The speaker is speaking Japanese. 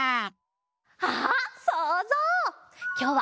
あっそうぞう！